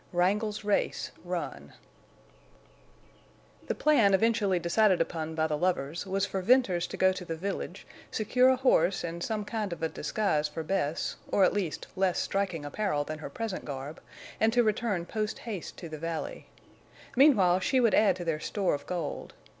WRANGLE'S RACE RUN The plan eventually decided upon by the lovers was for Venters to go to the village, secure a horse and some kind of a disguise for Bess, or at least less striking apparel than her present garb, and to return post haste to the valley. Meanwhile, she would add to their store of gold.